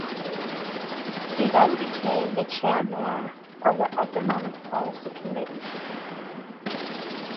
He then became the Chairman of the Economic Policy Committee.